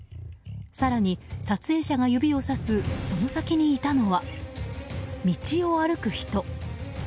更に、撮影者が指をさすその先にいたのは道を歩く人。